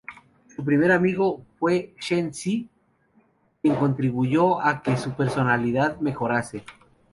Su primer amigo fue Zhen Xi, quien contribuyo a que su personalidad mejorase.